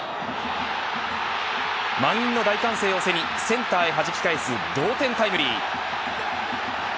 満員の大歓声を背にセンターへはじき返す同点タイムリー。